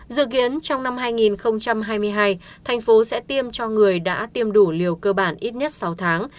dự kiến trong năm hai nghìn hai mươi hai thành phố sẽ tiêm cho người đã tiêm đủ liều cơ bản ít nhất sáu tháng